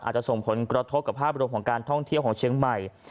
ส่งผลกระทบกับภาพรวมของการท่องเที่ยวของเชียงใหม่